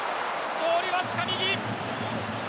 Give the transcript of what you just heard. ゴールわずか右。